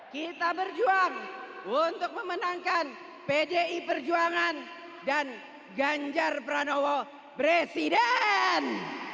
kita berjuang untuk memenangkan pdi perjuangan dan ganjar pranowo presiden